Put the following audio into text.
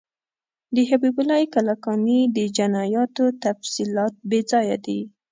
د حبیب الله کلکاني د جنایاتو تفصیلات بیځایه دي.